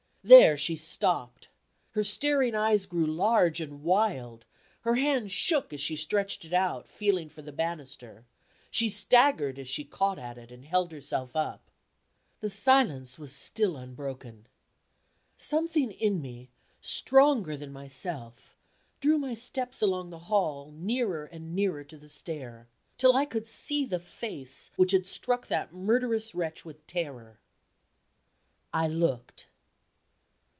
There, she stopped. Her staring eyes grew large and wild; her hand shook as she stretched it out, feeling for the banister; she staggered as she caught at it, and held herself up. The silence was still unbroken. Something in me, stronger than myself, drew my steps along the hall nearer and nearer to the stair, till I could see the face which had struck that murderous wretch with terror. I looked.